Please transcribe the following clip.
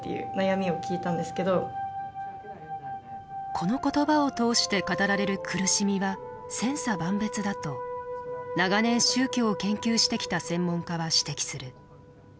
この言葉を通して語られる苦しみは千差万別だと長年宗教を研究してきた専門家は指摘する。